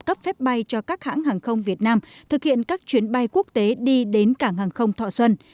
cấp phép bay cho các hãng hàng không việt nam thực hiện các chuyến bay quốc tế đi đến cảng hàng không thọ xuân